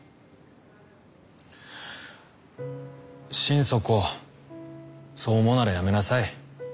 心底そう思うならやめなさい。